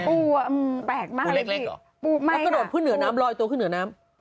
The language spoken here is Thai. ปูแปลกมากปูเล็กเหรอปูไม่ค่ะแล้วก็โดดขึ้นเหนือน้ำลอยตัวขึ้นเหนือน้ำ